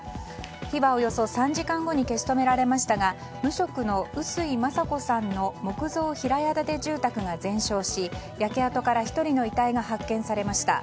火はおよそ３時間後に消し止められましたが無職の碓井雅子さんの木造平屋建て住宅が全焼し焼け跡から１人の遺体が発見されました。